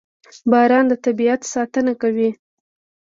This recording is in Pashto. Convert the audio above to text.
• باران د طبیعت ساتنه کوي.